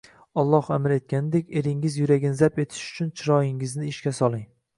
Alloh amr etganidek, eringiz yuragini zabt etish uchun chiroyingizni ishga soling.